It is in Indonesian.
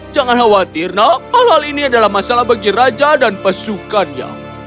jangan khawatir noh hal hal ini adalah masalah bagi raja dan pasukan ya